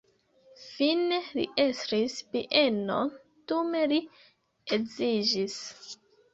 Fine li estris bienon, dume li edziĝis.